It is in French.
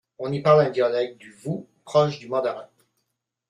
On y parle un dialecte du wu proche du mandarin.